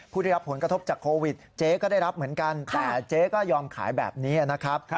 ผู้ได้รับผลกระทบจากโควิดเจ๊ก็ได้รับเหมือนกันแต่เจ๊ก็ยอมขายแบบนี้นะครับ